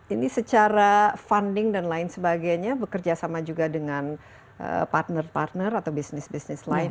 ini secara funding dan lain sebagainya bekerja sama juga dengan partner partner atau bisnis bisnis lain